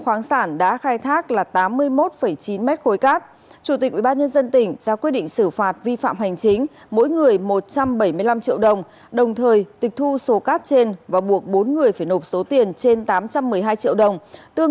hai con gà đá hai cặp cựa gà hai cặp cựa gà hai cân năm cuộn băng keo và gần năm mươi quân